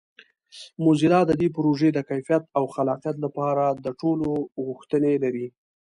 موزیلا د دې پروژې د کیفیت او خلاقیت لپاره د ټولو غوښتنې لري.